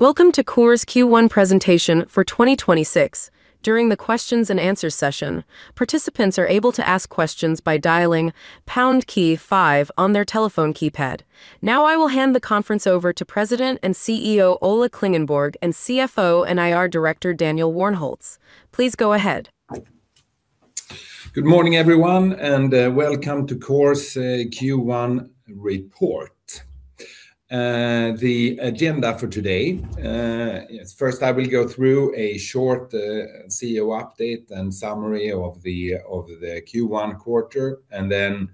Welcome to Coor's Q1 presentation for 2026. During the questions and answers session, participants are able to ask questions by dialing pound key five on their telephone keypad. Now I will hand the conference over to President and CEO Ola Klingenborg and CFO and IR Director Daniel Warnholtz. Please go ahead. Good morning everyone, and welcome to Coor's Q1 report. The agenda for today, first I will go through a short CEO update and summary of the Q1 quarter, and then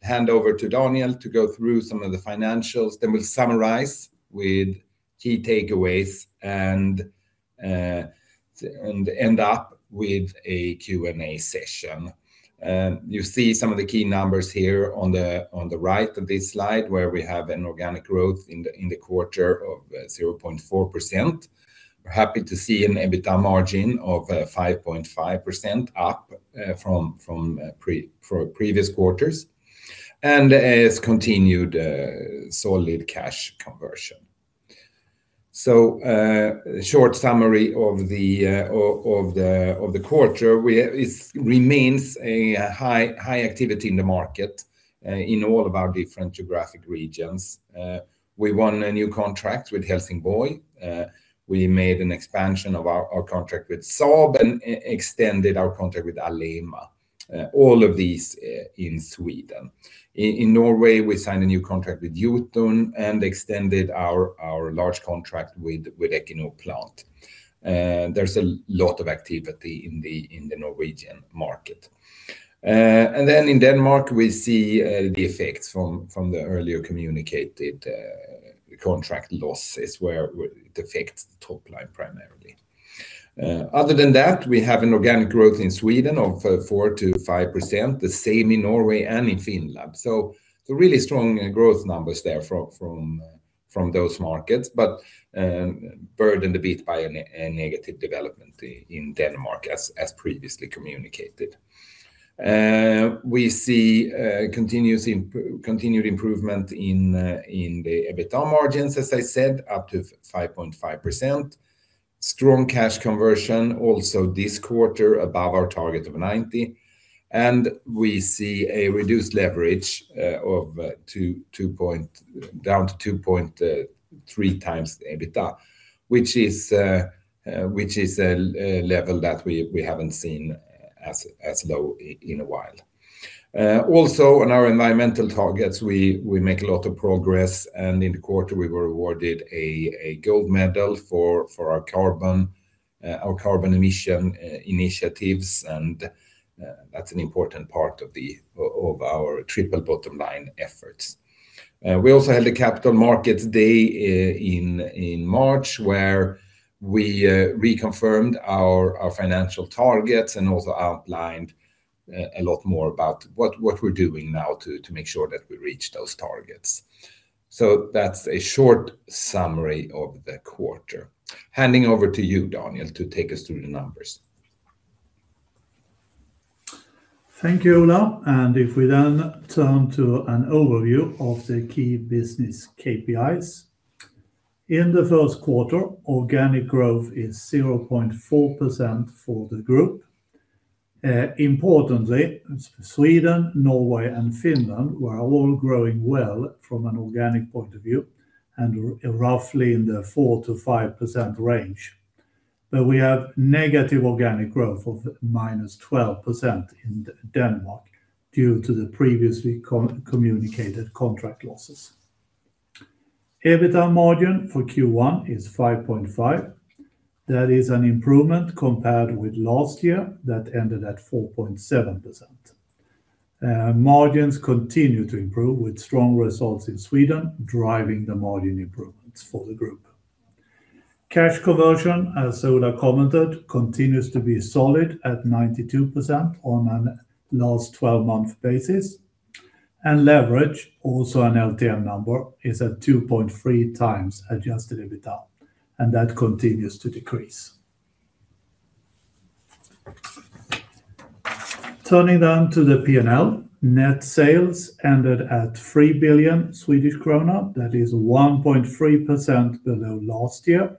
hand over to Daniel to go through some of the financials. Then we'll summarize with key takeaways, and end up with a Q&A session. You see some of the key numbers here on the right of this slide, where we have an organic growth in the quarter of 0.4%. We're happy to see an EBITDA margin of 5.5% up from previous quarters, and a continued solid cash conversion. A short summary of the quarter. It remains a high activity in the market, in all of our different geographic regions. We won a new contract with Helsingborg. We made an expansion of our contract with Saab and extended our contract with Alleima, all of these in Sweden. In Norway, we signed a new contract with Jotun and extended our large contract with Equinor Plant. There's a lot of activity in the Norwegian market. In Denmark we see the effects from the earlier communicated contract losses where it affects the top line primarily. Other than that, we have an organic growth in Sweden of 4%-5%, the same in Norway and in Finland. Really strong growth numbers there from those markets, but burdened a bit by a negative development in Denmark as previously communicated. We see continued improvement in the EBITDA margins, as I said, up to 5.5%. Strong cash conversion also this quarter above our target of 90%, and we see a reduced leverage down to 2.3 times the EBITDA, which is a level that we haven't seen as low in a while. On our environmental targets, we make a lot of progress, and in the quarter we were awarded a gold medal for our carbon emission initiatives. That's an important part of our triple bottom line efforts. We also had the Capital Markets Day in March where we reconfirmed our financial targets and also outlined a lot more about what we're doing now to make sure that we reach those targets. That's a short summary of the quarter. Handing over to you, Daniel, to take us through the numbers. Thank you, Ola, if we then turn to an overview of the key business KPIs. In the first quarter, organic growth is 0.4% for the group. Importantly, Sweden, Norway, and Finland were all growing well from an organic point of view, and roughly in the 4%-5% range. We have negative organic growth of -12% in Denmark due to the previously communicated contract losses. EBITDA margin for Q1 is 5.5%. That is an improvement compared with last year that ended at 4.7%. Margins continue to improve with strong results in Sweden driving the margin improvements for the group. Cash conversion, as Ola commented, continues to be solid at 92% on a last 12-month basis. Leverage, also an LTM number, is at 2.3 times Adjusted EBITDA, and that continues to decrease. Turning to the P&L, net sales ended at 3 billion Swedish krona. That is 1.3% below last year.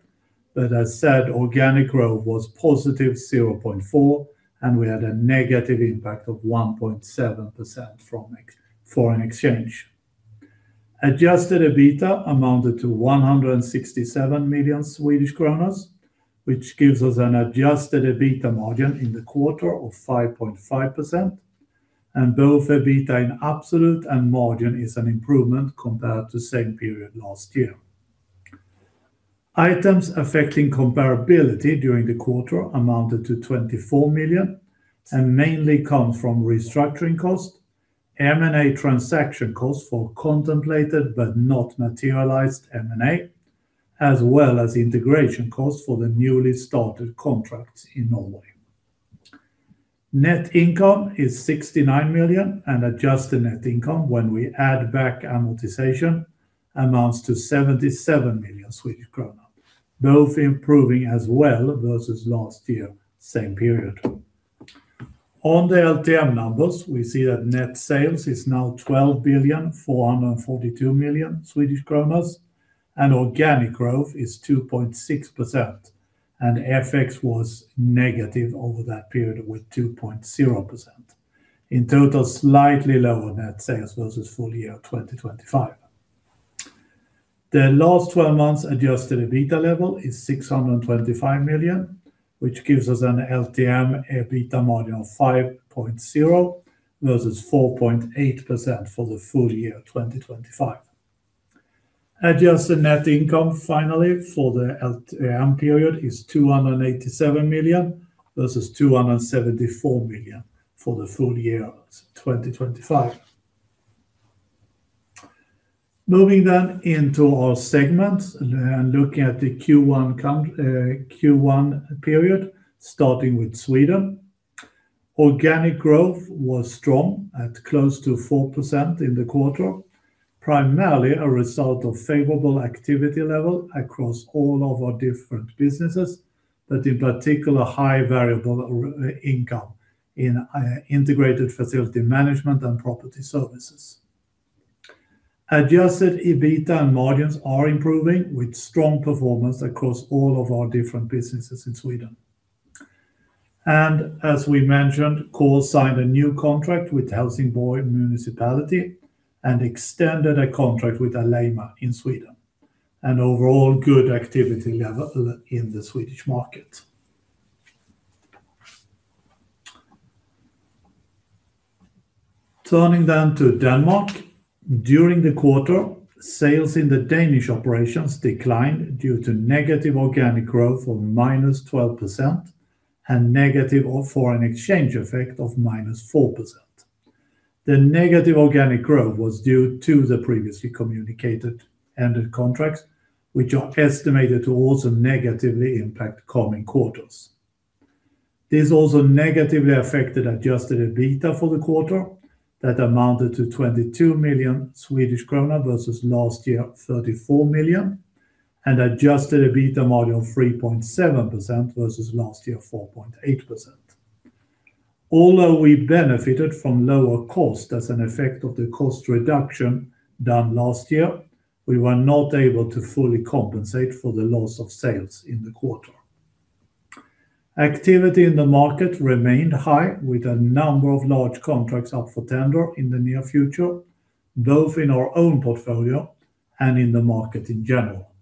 As said, organic growth was positive 0.4%, and we had a negative impact of 1.7% from foreign exchange. Adjusted EBITDA amounted to 167 million, which gives us an Adjusted EBITDA margin in the quarter of 5.5%, and both EBITDA in absolute and margin is an improvement compared to same period last year. Items affecting comparability during the quarter amounted to 24 million, and mainly come from restructuring costs, M&A transaction costs for contemplated but not materialized M&A, as well as integration costs for the newly started contracts in Norway. Net income is 69 million, and adjusted net income when we add back amortization amounts to 77 million Swedish krona, both improving as well versus last year, same period. On the LTM numbers, we see that net sales is now 12,442 million, and organic growth is 2.6%, and FX was negative over that period with 2.0%. In total, slightly lower net sales versus full year 2025. The last 12 months Adjusted EBITDA level is 625 million, which gives us an LTM EBITDA margin of 5.0% versus 4.8% for the full year 2025. Adjusted net income finally for the LTM period is 287 million versus 274 million for the full year 2025. Moving into our segments and looking at the Q1 period, starting with Sweden. Organic growth was strong at close to 4% in the quarter, primarily a result of favorable activity level across all of our different businesses, but in particular, high variable income in integrated facility management and property services. Adjusted EBITDA margins are improving with strong performance across all of our different businesses in Sweden. As we mentioned, Coor signed a new contract with Helsingborg Municipality and extended a contract with Alleima in Sweden, an overall good activity level in the Swedish market. Turning to Denmark. During the quarter, sales in the Danish operations declined due to negative organic growth of -12% and negative foreign exchange effect of -4%. The negative organic growth was due to the previously communicated ended contracts, which are estimated to also negatively impact coming quarters. This also negatively affected Adjusted EBITDA for the quarter that amounted to 22 million Swedish krona versus last year, 34 million, and Adjusted EBITDA margin of 3.7% versus last year, 4.8%. Although we benefited from lower cost as an effect of the cost reduction done last year, we were not able to fully compensate for the loss of sales in the quarter. Activity in the market remained high with a number of large contracts up for tender in the near future, both in our own portfolio and in the market in general.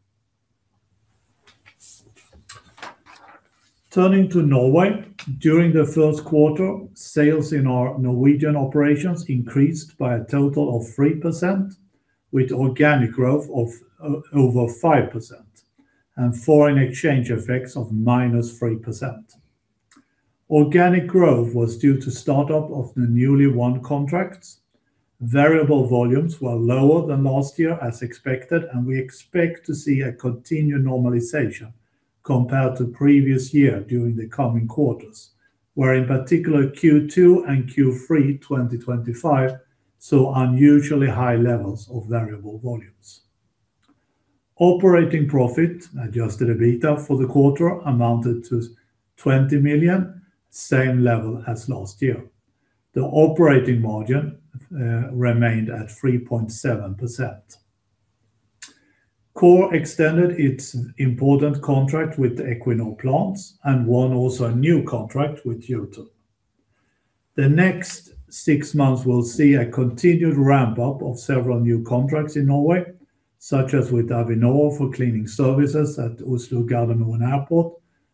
Turning to Norway. During the first quarter, sales in our Norwegian operations increased by a total of 3%, with organic growth of over 5% and FX effects of -3%. Organic growth was due to start up of the newly won contracts. Variable volumes were lower than last year as expected, and we expect to see a continued normalization compared to previous year during the coming quarters, where in particular Q2 and Q3 2025 saw unusually high levels of variable volumes. Operating profit, Adjusted EBITDA, for the quarter amounted to 20 million, same level as last year. The operating margin remained at 3.7%. Coor extended its important contract with the Equinor plants and won also a new contract with Jotun. The next six months will see a continued ramp-up of several new contracts in Norway, such as with Avinor for cleaning services at Oslo Gardermoen Airport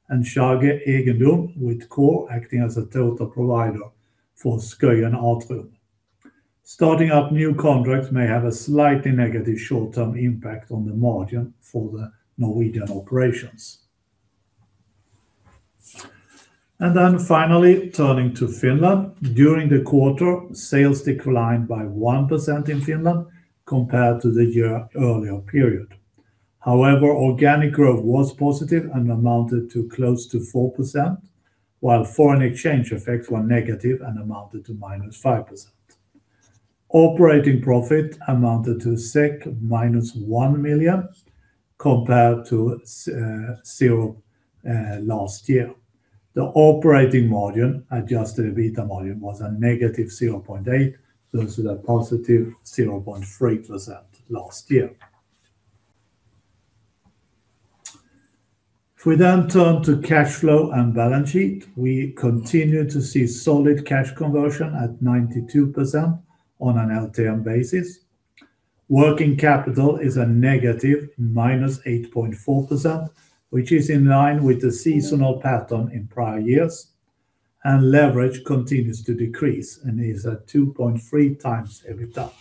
and Schage Eiendom, with Coor acting as a total provider for Skøyen Atrium. Starting up new contracts may have a slightly negative short-term impact on the margin for the Norwegian operations. Finally, turning to Finland. During the quarter, sales declined by 1% in Finland compared to the year earlier period. Organic growth was positive and amounted to close to 4%, while foreign exchange effects were negative and amounted to -5%. Operating profit amounted to -1 million compared to 0 last year. The operating margin, Adjusted EBITDA margin, was -0.8% versus +0.3% last year. If we then turn to cash flow and balance sheet, we continue to see solid cash conversion at 92% on an LTM basis. Working capital is negative -8.4%, which is in line with the seasonal pattern in prior years, and leverage continues to decrease and is at 2.3x EBITDA.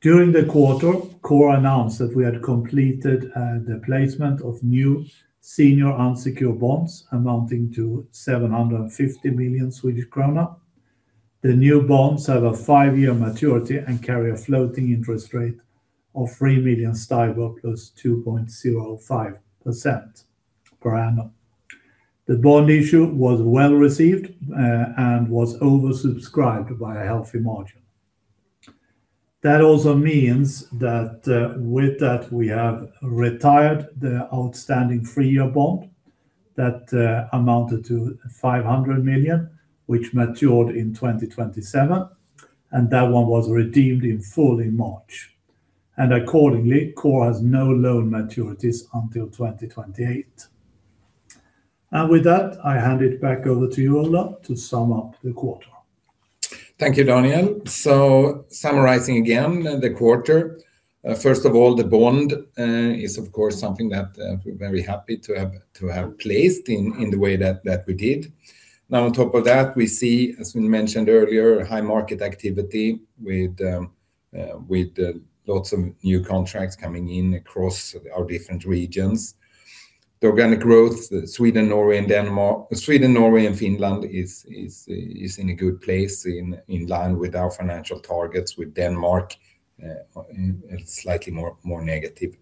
During the quarter, Coor announced that we had completed the placement of new senior unsecured bonds amounting to 750 million Swedish krona. The new bonds have a five-year maturity and carry a floating interest rate of 3-month STIBOR plus 2.05% per annum. The bond issue was well-received and was oversubscribed by a healthy margin. That also means that with that we have retired the outstanding three-year bond that amounted to 500 million, which matured in 2027, and that one was redeemed in full in March. Accordingly, Coor has no loan maturities until 2028. With that, I hand it back over to you, Ola, to sum up the quarter. Thank you, Daniel. Summarizing again the quarter, first of all, the bond is, of course, something that we're very happy to have placed in the way that we did. Now, on top of that, we see, as we mentioned earlier, high market activity with lots of new contracts coming in across our different regions. The organic growth, Sweden, Norway, and Finland is in a good place in line with our financial targets with Denmark, slightly more negative.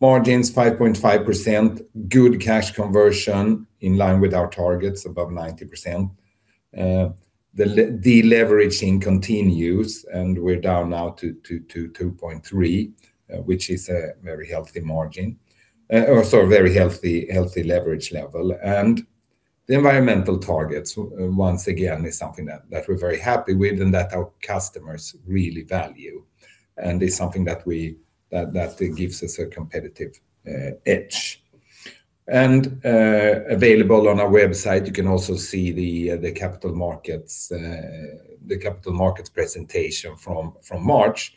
Margins 5.5%, good cash conversion in line with our targets above 90%. The deleveraging continues, and we're down now to 2.3, which is a very healthy margin or sorry, very healthy leverage level. The environmental targets once again is something that we're very happy with and that our customers really value and is something that gives us a competitive edge. Available on our website, you can also see the capital markets presentation from March,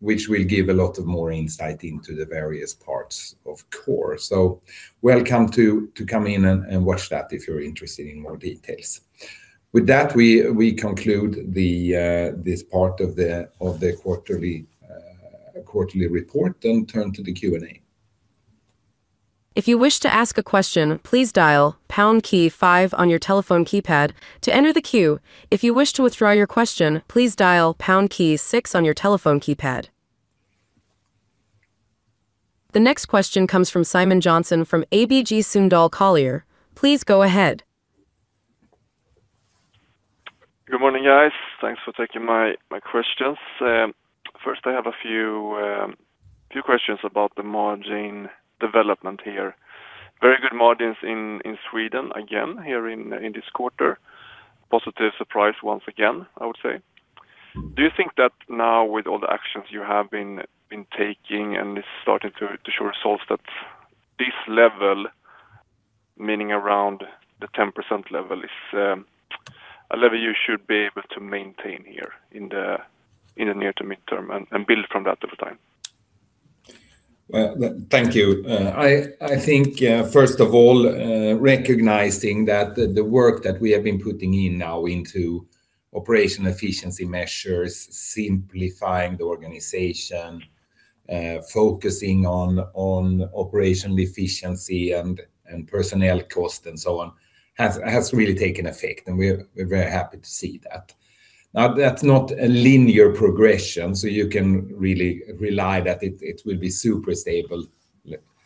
which will give a lot of more insight into the various parts of Coor. Welcome to come in and watch that if you're interested in more details. With that, we conclude this part of the quarterly report, then turn to the Q&A. If you wish to ask a question please dial pound key 5 on your telephone keypad to enter the queue. If you wish to withdraw your question, please dial pound key 6 on your telephone keypad. The next question comes from Simon Jönsson from ABG Sundal Collier. Please go ahead. Good morning, guys. Thanks for taking my questions. First, I have a few questions about the margin development here. Very good margins in Sweden again, here in this quarter. Positive surprise once again, I would say. Do you think that now with all the actions you have been taking, and it's starting to show results that this level, meaning around the 10% level, is a level you should be able to maintain here in the near to midterm and build from that over time? Thank you. I think, first of all, recognizing that the work that we have been putting in now into operation efficiency measures, simplifying the organization, focusing on operational efficiency and personnel cost and so on, has really taken effect, and we're very happy to see that. Now, that's not a linear progression, so you can really rely that it will be super stable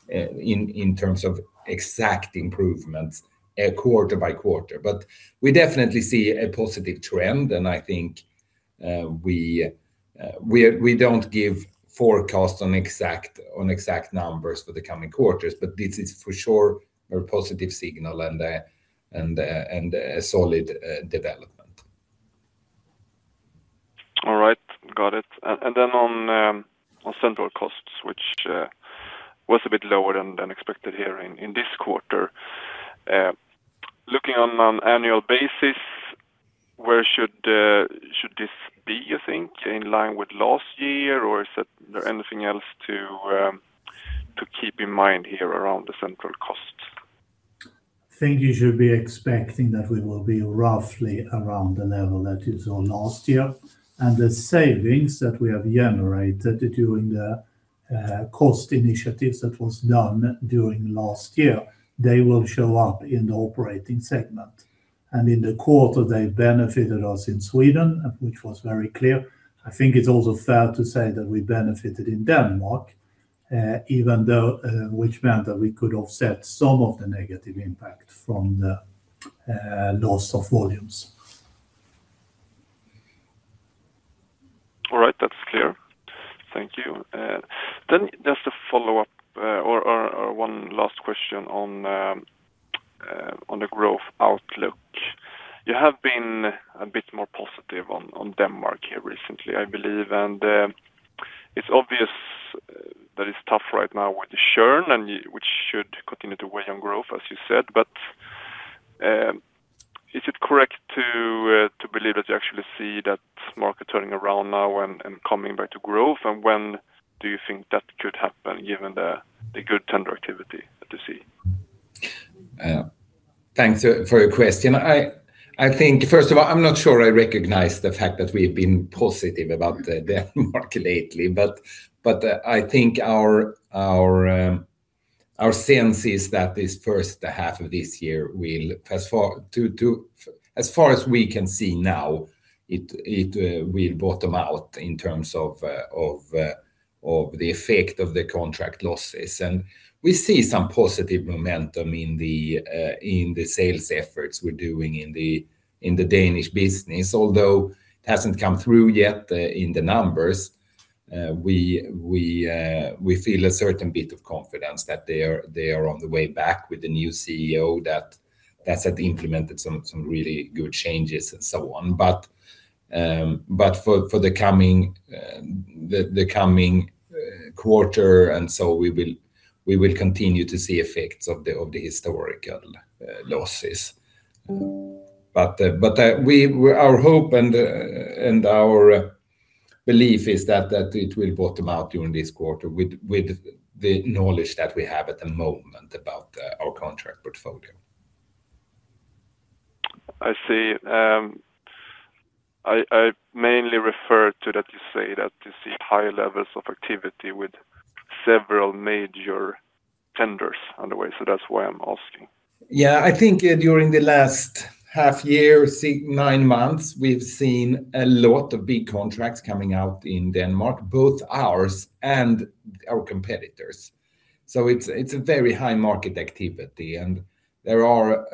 in terms of exact improvements quarter by quarter. We definitely see a positive trend, and I think we don't give forecasts on exact numbers for the coming quarters, but this is for sure a positive signal and a solid development. All right. Got it. On central costs, which was a bit lower than expected here in this quarter. Looking on an annual basis, where should this be, you think? In line with last year, or is there anything else to keep in mind here around the central cost? I think you should be expecting that we will be roughly around the level that is on last year, and the savings that we have generated during the cost initiatives that was done during last year, they will show up in the operating segment. In the quarter, they benefited us in Sweden, which was very clear. I think it's also fair to say that we benefited in Denmark, which meant that we could offset some of the negative impact from the loss of volumes. All right. That's clear. Thank you. Just a follow-up or one last question on the growth outlook. You have been a bit more positive on Denmark here recently, I believe. It's obvious that it's tough right now with the churn and which should continue to weigh on growth, as you said. Is it correct to believe that you actually see that market turning around now and coming back to growth? When do you think that could happen given the good tender activity that you see? Thanks for your question. I think, first of all, I'm not sure I recognize the fact that we've been positive about Denmark lately. I think our sense is that this first half of this year, as far as we can see now, it will bottom out in terms of the effect of the contract losses. We see some positive momentum in the sales efforts we're doing in the Danish business, although it hasn't come through yet in the numbers. We feel a certain bit of confidence that they are on the way back with the new CEO that has implemented some really good changes and so on. For the coming quarter and so, we will continue to see effects of the historical losses. Our hope and our belief is that it will bottom out during this quarter with the knowledge that we have at the moment about our contract portfolio. I see. I mainly refer to that you say that you see high levels of activity with several major tenders underway, so that's why I'm asking. Yeah. I think during the last half year, nine months, we've seen a lot of big contracts coming out in Denmark, both ours and our competitors. It's a very high market activity, and there are,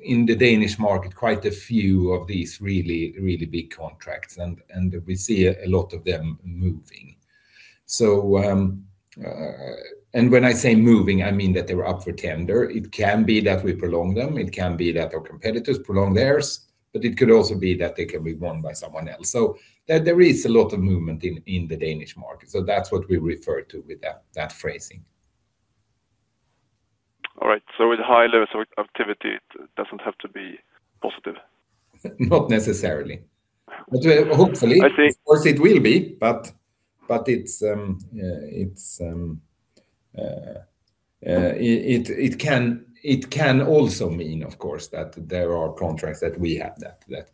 in the Danish market, quite a few of these really, really big contracts, and we see a lot of them moving. When I say moving, I mean that they were up for tender. It can be that we prolong them, it can be that our competitors prolong theirs, but it could also be that they can be won by someone else. There is a lot of movement in the Danish market. That's what we refer to with that phrasing. All right. With high levels of activity, it doesn't have to be positive. Not necessarily. Hopefully. I see. Of course, it will be, but it can also mean, of course, that there are contracts that we have that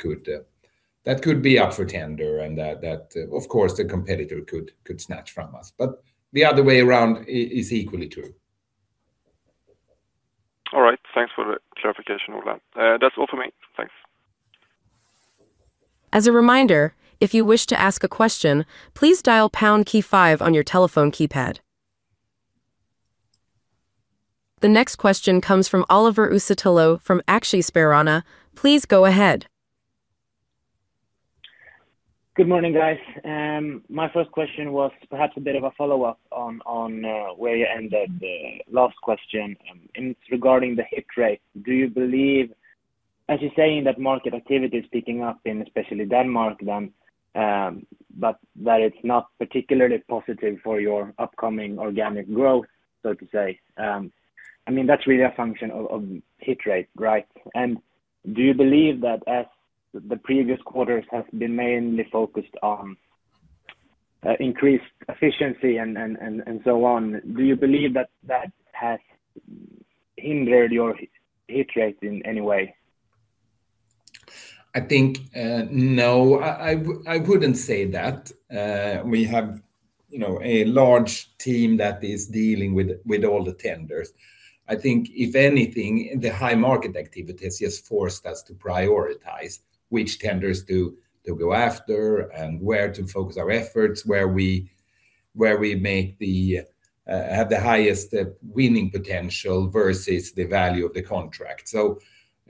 could be up for tender and that, of course, the competitor could snatch from us, but the other way around is equally true. All right. Thanks for the clarification on that. That's all for me. Thanks. As a reminder, if you wish to ask a question, please dial pound key five on your telephone keypad. The next question comes from Oliver Usitalo from Aktiespararna. Please go ahead. Good morning, guys. My first question was perhaps a bit of a follow-up on where you ended the last question, and it's regarding the hit rate. Do you believe, as you're saying, that market activity is picking up in especially Denmark then, but that it's not particularly positive for your upcoming organic growth, so to say. That's really a function of hit rate, right? Do you believe that as the previous quarters have been mainly focused on increased efficiency and so on, do you believe that that has hindered your hit rate in any way? I think, no. I wouldn't say that. We have a large team that is dealing with all the tenders. I think if anything, the high market activity has just forced us to prioritize which tenders to go after and where to focus our efforts, where we have the highest winning potential versus the value of the contract.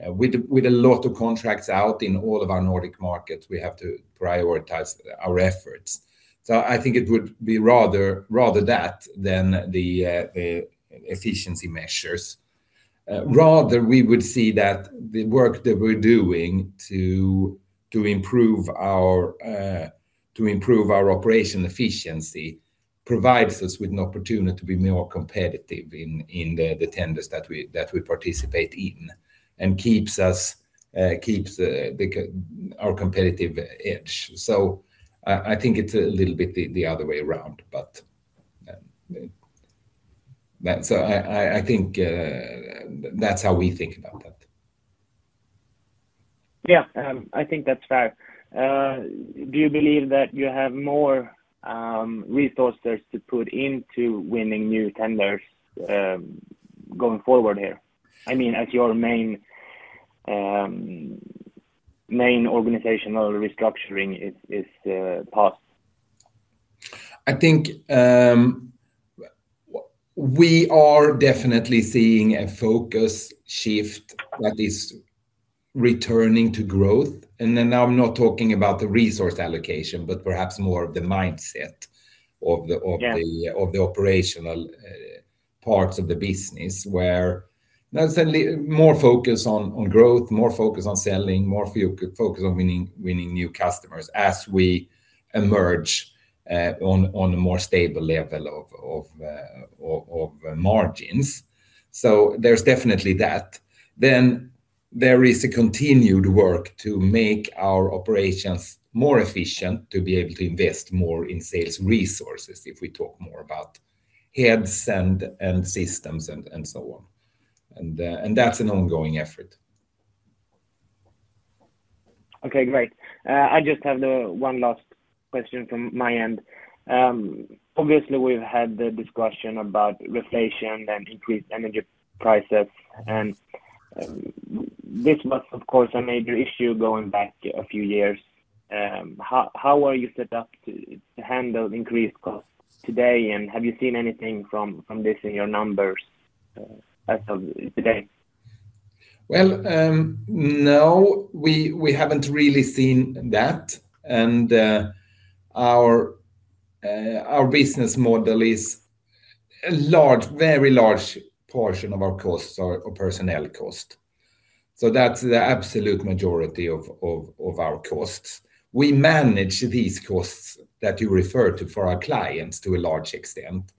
With a lot of contracts out in all of our Nordic markets, we have to prioritize our efforts. I think it would be rather that than the efficiency measures. Rather, we would see that the work that we're doing to improve our operational efficiency provides us with an opportunity to be more competitive in the tenders that we participate in and keeps our competitive edge. I think it's a little bit the other way around. I think that's how we think about that. Yeah. I think that's fair. Do you believe that you have more resources to put into winning new tenders, going forward here, as your main organizational restructuring is passed? I think we are definitely seeing a focus shift that is returning to growth. Now I'm not talking about the resource allocation, but perhaps more of the mindset of the. Yeah... of the operational parts of the business where there's certainly more focus on growth, more focus on selling, more focus on winning new customers as we emerge on a more stable level of margins. There's definitely that. There is a continued work to make our operations more efficient to be able to invest more in sales resources if we talk more about heads and systems and so on. That's an ongoing effort. Okay, great. I just have one last question from my end. Obviously, we've had the discussion about reflation and increased energy prices and this was, of course, a major issue going back a few years. How are you set up to handle increased costs today? And have you seen anything from this in your numbers as of today? Well, no, we haven't really seen that. Our business model is a very large portion of our costs are personnel cost. That's the absolute majority of our costs. We manage these costs that you refer to for our clients to a large extent.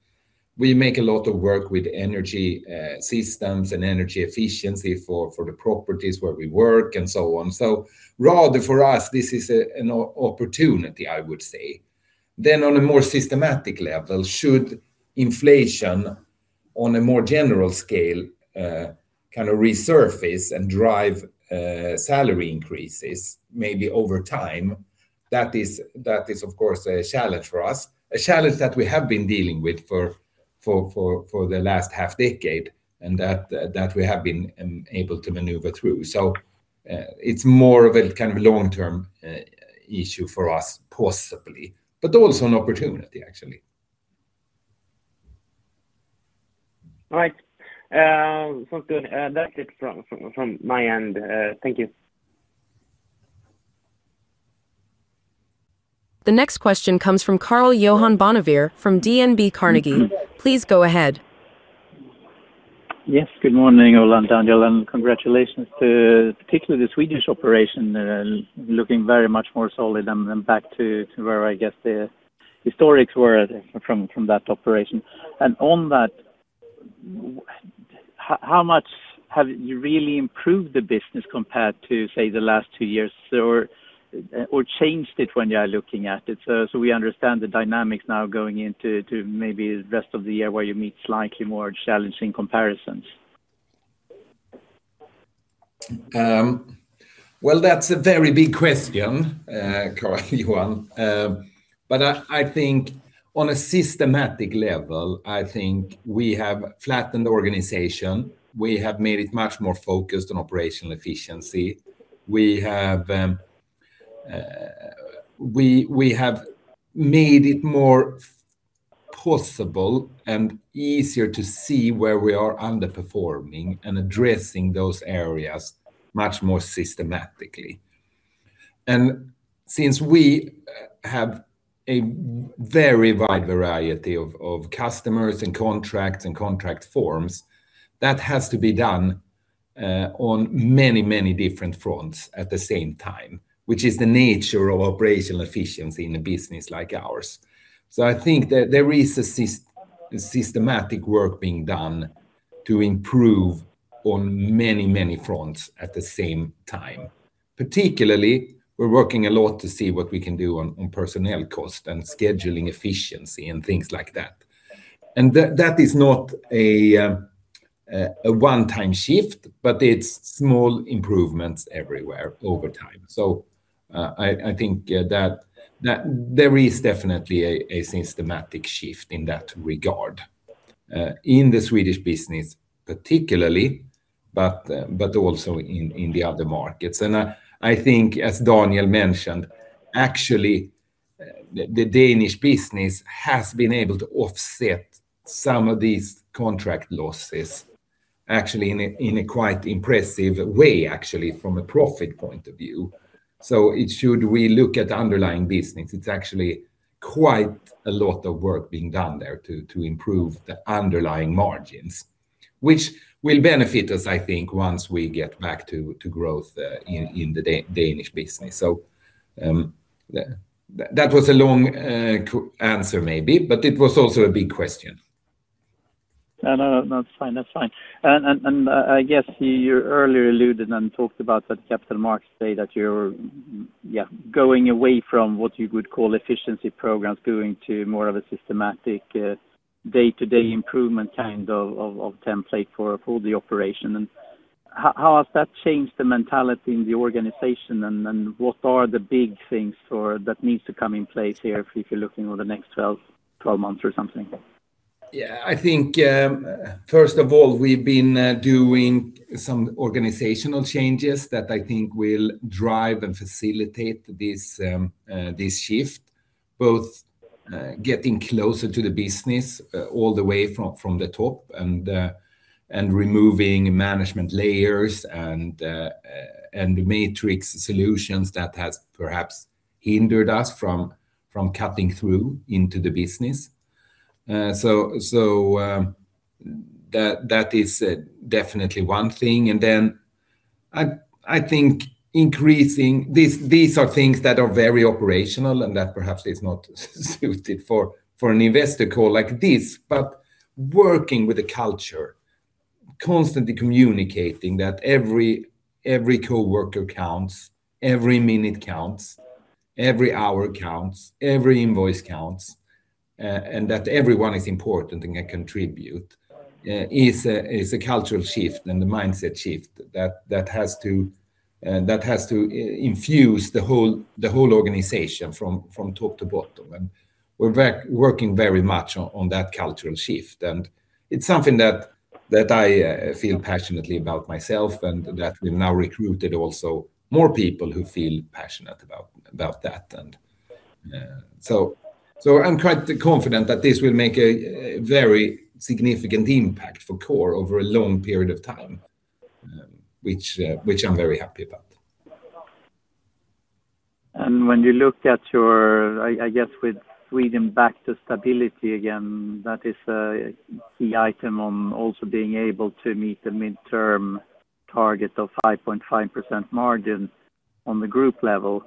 We make a lot of work with energy systems and energy efficiency for the properties where we work and so on. Rather for us, this is an opportunity, I would say. On a more systematic level, should inflation on a more general scale resurface and drive salary increases maybe over time? That is, of course, a challenge for us, a challenge that we have been dealing with for the last half decade, and that we have been able to maneuver through. It's more of a long-term issue for us, possibly, but also an opportunity, actually. All right. Sounds good. That's it from my end. Thank you. The next question comes from Karl-Johan Bonnevier from DNB Carnegie. Please go ahead. Yes, good morning, Ola and Daniel, and congratulations to particularly the Swedish operation, looking very much more solid and back to where, I guess, the historics were from that operation. On that, how much have you really improved the business compared to, say, the last two years? Or changed it when you are looking at it, so we understand the dynamics now going into maybe the rest of the year where you meet slightly more challenging comparisons? Well, that's a very big question, Karl-Johan. I think on a systematic level, I think we have flattened the organization. We have made it much more focused on operational efficiency. We have made it more possible and easier to see where we are underperforming and addressing those areas much more systematically. Since we have a very wide variety of customers and contracts and contract forms, that has to be done on many different fronts at the same time, which is the nature of operational efficiency in a business like ours. I think that there is a systematic work being done to improve on many fronts at the same time. Particularly, we're working a lot to see what we can do on personnel cost and scheduling efficiency and things like that. That is not a one-time shift, but it's small improvements everywhere over time. I think that there is definitely a systematic shift in that regard, in the Swedish business particularly, but also in the other markets. I think as Daniel mentioned, actually, the Danish business has been able to offset some of these contract losses actually in a quite impressive way, actually, from a profit point of view. Should we look at underlying business, it's actually quite a lot of work being done there to improve the underlying margins, which will benefit us, I think, once we get back to growth in the Danish business. that was a long answer maybe, but it was also a big question. No, that's fine. I guess you earlier alluded and talked about that Capital Markets Day that you're going away from what you would call efficiency programs, going to more of a systematic day-to-day improvement kind of template for the operation. How has that changed the mentality in the organization? What are the big things that needs to come in place here if you're looking over the next 12 months or something? Yeah, I think first of all, we've been doing some organizational changes that I think will drive and facilitate this shift, both getting closer to the business all the way from the top and removing management layers and matrix solutions that has perhaps hindered us from cutting through into the business. That is definitely one thing. I think these are things that are very operational and that perhaps is not suited for an investor call like this, but working with the culture, constantly communicating that every coworker counts, every minute counts, every hour counts, every invoice counts, and that everyone is important and can contribute is a cultural shift and a mindset shift that has to infuse the whole organization from top to bottom. We're working very much on that cultural shift. It's something that I feel passionately about myself and that we've now recruited also more people who feel passionate about that. I'm quite confident that this will make a very significant impact for Coor over a long period of time, which I'm very happy about. When you look at, I guess, with Sweden back to stability again, that is a key item on also being able to meet the midterm target of 5.5% margin on the group level.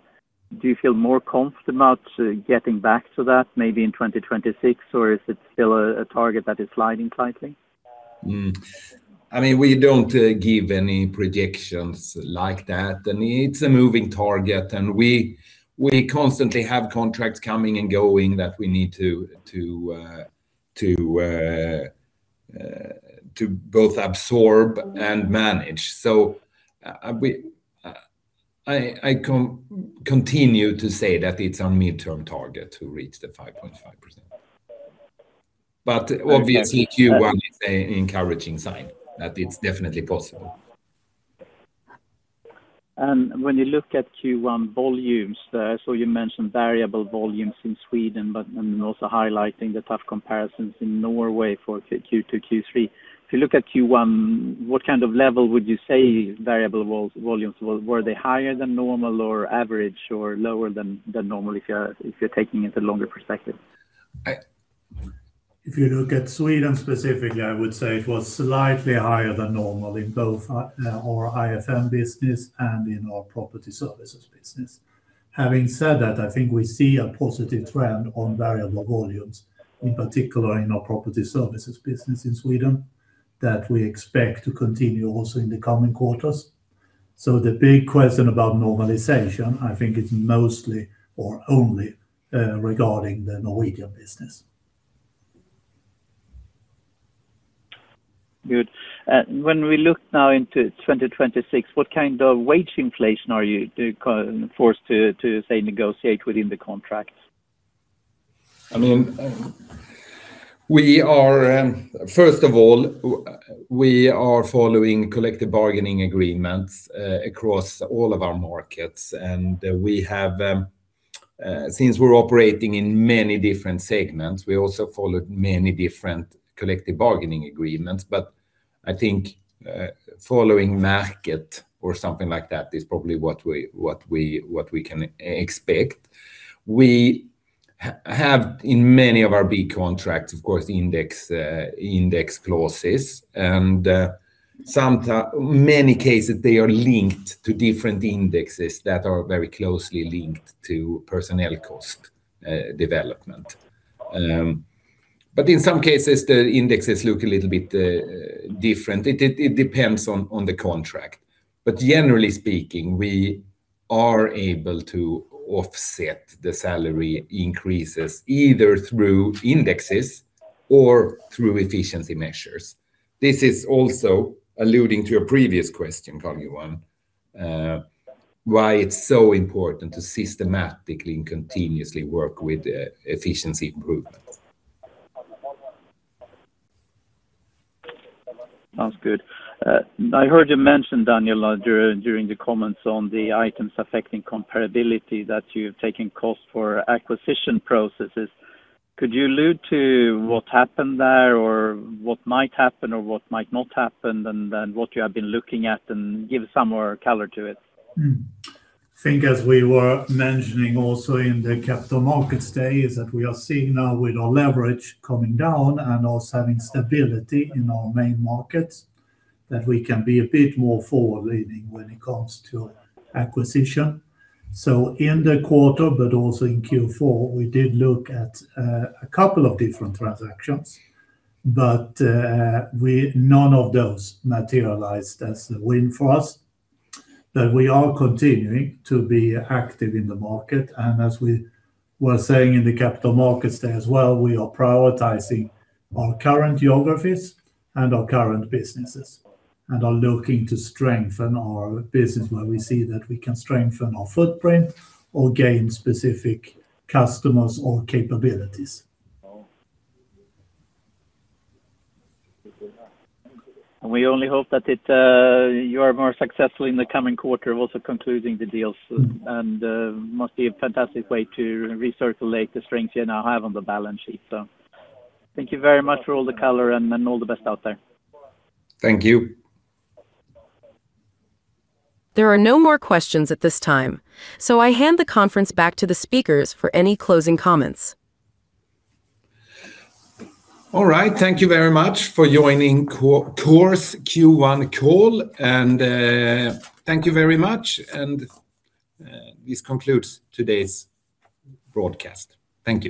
Do you feel more confident about getting back to that maybe in 2026, or is it still a target that is sliding slightly? We don't give any projections like that, and it's a moving target, and we constantly have contracts coming and going that we need to both absorb and manage. I continue to say that it's our midterm target to reach the 5.5%. Obviously Q1 is an encouraging sign that it's definitely possible. When you look at Q1 volumes, I saw you mentioned variable volumes in Sweden but also highlighting the tough comparisons in Norway for Q2, Q3. If you look at Q1, what kind of level would you say variable volumes were? Were they higher than normal or average, or lower than normal if you're taking it a longer perspective? If you look at Sweden specifically, I would say it was slightly higher than normal in both our IFM business and in our property services business. Having said that, I think we see a positive trend on variable volumes, in particular in our property services business in Sweden, that we expect to continue also in the coming quarters. The big question about normalization, I think, is mostly or only regarding the Norwegian business. Good. When we look now into 2026, what kind of wage inflation are you forced to, say, negotiate within the contracts? First of all, we are following collective bargaining agreements across all of our markets. Since we're operating in many different segments, we also followed many different collective bargaining agreements. I think following market or something like that is probably what we can expect. We have in many of our big contracts, of course, index clauses, and in many cases, they are linked to different indexes that are very closely linked to personnel cost development. In some cases, the indexes look a little bit different. It depends on the contract. Generally speaking, we are able to offset the salary increases either through indexes or through efficiency measures. This is also alluding to your previous question, Karl-Johan, why it's so important to systematically and continuously work with efficiency improvements. Sounds good. I heard you mention, Daniel, during the comments on the items affecting comparability that you've taken cost for acquisition processes. Could you allude to what happened there or what might happen or what might not happen, and then what you have been looking at, and give some more color to it? I think as we were mentioning also in the Capital Markets Day, that we are seeing now with our leverage coming down and also having stability in our main markets, that we can be a bit more forward-leading when it comes to acquisition. In the quarter, but also in Q4, we did look at a couple of different transactions, but none of those materialized as a win for us. We are continuing to be active in the market, and as we were saying in the Capital Markets Day as well, we are prioritizing our current geographies and our current businesses and are looking to strengthen our business where we see that we can strengthen our footprint or gain specific customers or capabilities. We only hope that you are more successful in the coming quarter or also concluding the deals, and it must be a fantastic way to recirculate the strength you now have on the balance sheet. Thank you very much for all the color and all the best out there. Thank you. There are no more questions at this time, so I hand the conference back to the speakers for any closing comments. All right. Thank you very much for joining Coor's Q1 call, and thank you very much. This concludes today's broadcast. Thank you.